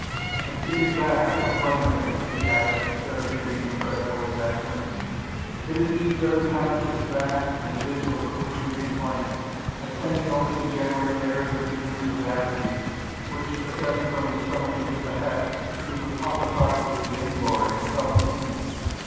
"And it is that I complain of," answered the Abbot, instead of giving him credit for his abstinence; "it is these very penances, fasts, and vigils, of which we complain; as tending only to generate airs and fumes of vanity, which, ascending from the stomach into the head, do but puff us up with vain glory and self opinion.